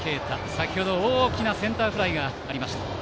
先程、大きなセンターフライがありました。